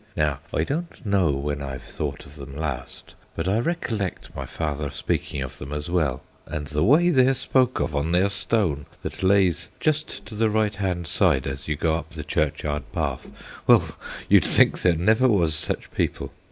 Now I don't know when I've thought of them last, but I recollect my father speaking of them as well, and the way they're spoke of on their stone that lays just to the right hand side as you go up the churchyard path well, you'd think there never was such people.